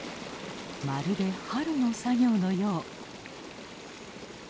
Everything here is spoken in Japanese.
まるで春の作業のよう。